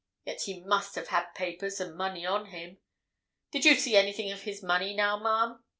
Yet he must have had papers and money on him. Did you see anything of his money, now, ma'am?"